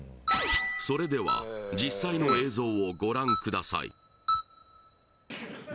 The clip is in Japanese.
それでは実際の映像をご覧ください